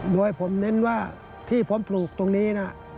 โดยผมเน้นว่าที่ผมปลูกตรงนี้นะ